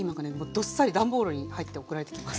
どっさり段ボールに入って送られてきます。